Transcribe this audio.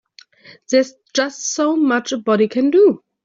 There's just so much a body can do.